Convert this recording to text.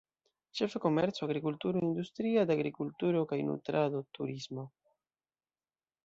Ĉefe komerco, agrikulturo, industria de agrikulturo kaj nutrado, turismo.